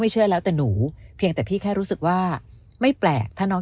เชื่อแล้วแต่หนูเพียงแต่พี่แค่รู้สึกว่าไม่แปลกถ้าน้อง